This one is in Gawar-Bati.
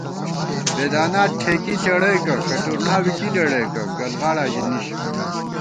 بېدانا ٹھېکی ݪېڑَئیکہ، کٹُورنا بی کی لېڑَئیکہ گلغاڑا ژی نِشِکہ